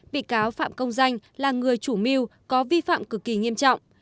bị cáo phạm công danh là người chủ mưu có vi phạm cực kỳ nghiêm trọng